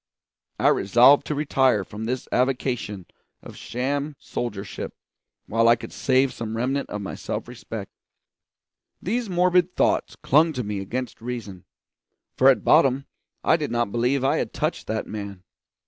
I resolved to retire from this avocation of sham soldiership while I could save some remnant of my self respect. These morbid thoughts clung to me against reason; for at bottom I did not believe I had touched that man.